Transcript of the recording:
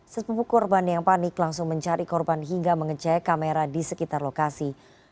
sepupuk korban yang panik langsung mencari korban hingga mengecek kamera di sekitar lokasi